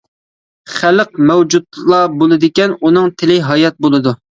خەلق مەۋجۇتلا بولىدىكەن، ئۇنىڭ تىلى ھايات بولىدۇ.